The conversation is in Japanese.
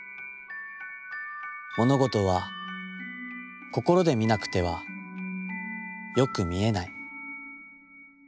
ものごとは心で見なくては、よく見えない。